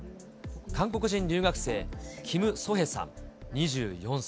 韓国人留学生、キム・ソヘさん２４歳。